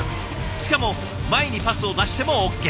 しかも前にパスを出してもＯＫ。